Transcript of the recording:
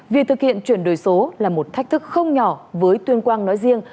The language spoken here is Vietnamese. việc thực hiện chuyển đổi số là một thách thức không nhỏ với tuyên quang nói riêng